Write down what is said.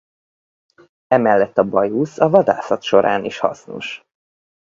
Emellett a bajusz a vadászat során is hasznos.